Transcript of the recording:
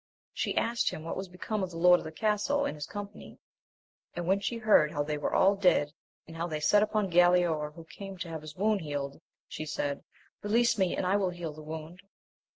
She asked him what was become of the lord of the castle, and his company; and when she heard how they were all dead, and how they set upon Galaor who came to have his wound healed, she said. Release me and I will heal the wound.